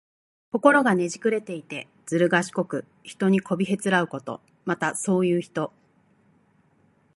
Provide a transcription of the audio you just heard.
心がねじくれていて、ずるがしこく、人にこびへつらうこと。また、そういう人。